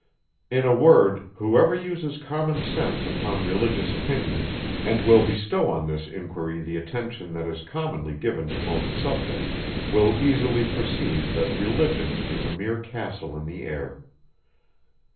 In a word, whoever uses common sense upon religious opinions, and will bestow on this inquiry the attention that is commonly given to most subjects, will easily perceive that Religion is a mere castle in the air.